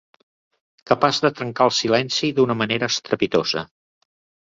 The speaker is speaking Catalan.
Capaç de trencar el silenci d'una manera estrepitosa.